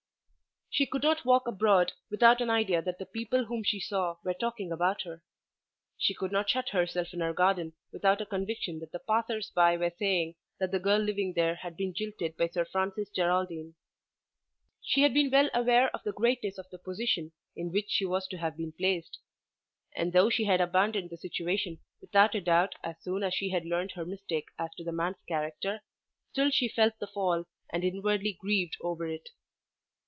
She could not walk abroad without an idea that the people whom she saw were talking about her. She could not shut herself in her garden without a conviction that the passers by were saying that the girl living there had been jilted by Sir Francis Geraldine. She had been well aware of the greatness of the position in which she was to have been placed; and though she had abandoned the situation without a doubt as soon as she had learned her mistake as to the man's character, still she felt the fall, and inwardly grieved over it.